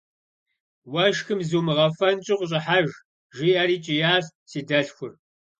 – Уэшхым зумыгъэуфэнщӀу къыщӀыхьэж, - жиӏэри кӏиящ си дэлъхур.